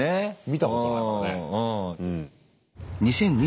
見たことないからね。